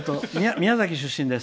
宮崎出身です。